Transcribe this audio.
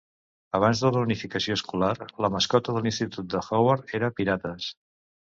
Abans de la unificació escolar, la mascota de l'Institut de Howard era Pirates.